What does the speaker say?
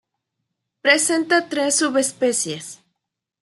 Presenta tres subespecies.